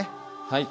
はい。